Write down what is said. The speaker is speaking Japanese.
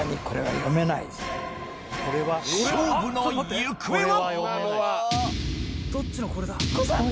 勝負の行方は？